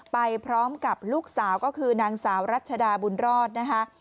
ไปพร้อมกับลูกสาวก็คือนางสาวรัชดาบุญรอดนะคะ